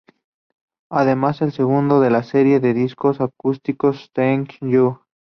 Además es el segundo de la serie de discos acústicos "Thank You".